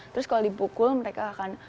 terus kalau dipukul mereka akan